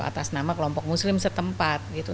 atas nama kelompok muslim setempat gitu